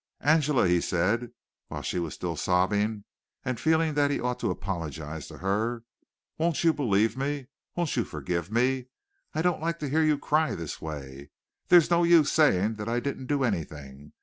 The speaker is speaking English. "Angela!" he said, while she was still sobbing, and feeling that he ought to apologize to her. "Won't you believe me? Won't you forgive me? I don't like to hear you cry this way. There's no use saying that I didn't do anything.